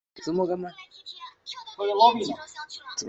他和他的部众是巴尔喀什湖和卡拉塔尔河之间活动。